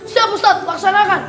siap ustadz peraksanakan